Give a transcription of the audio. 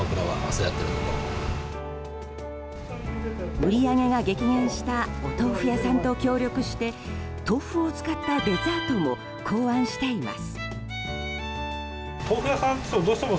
売り上げが激減したお豆腐屋さんと協力して豆腐を使ったデザートも考案しています。